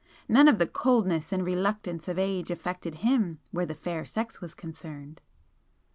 None of the coldness and reluctance of age affected him where the fair sex was concerned!"